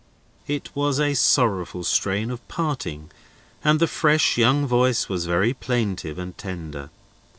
It was a sorrowful strain of parting, and the fresh young voice was very plaintive and tender.